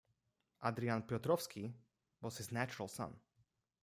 Adrian Piotrovsky was his natural son.